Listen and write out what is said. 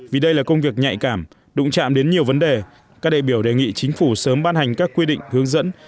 vì đây là công việc nhạy cảm đụng chạm đến nhiều vấn đề các đại biểu đề nghị chính phủ sớm ban hành các quy định hướng dẫn